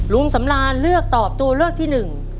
ลุงสำรานเลือกตอบตัวเลือกที่หนึ่ง